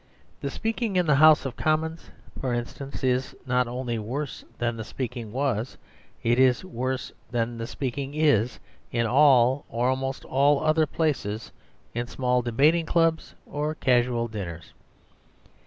The speaking in the House of Commons, for instance, is not only worse than the speaking was, it is worse than the speaking is, in all or almost all other places in small debating clubs or casual dinners.